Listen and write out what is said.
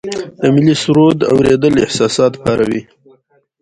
د ملي سرود اوریدل احساسات پاروي.